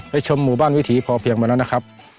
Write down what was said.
ไปชมหมู่บ้านวิถีพเพียงเมื่อนั้นนะครับ